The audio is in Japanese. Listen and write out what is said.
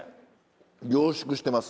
凝縮してます。